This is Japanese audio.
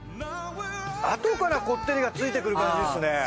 あとからこってりがついてくる感じですね。